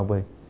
để bao vây